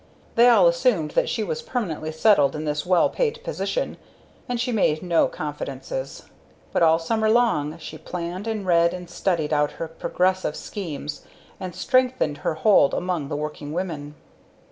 They all assumed that she was permanently settled in this well paid position, and she made no confidences. But all summer long she planned and read and studied out her progressive schemes, and strengthened her hold among the working women.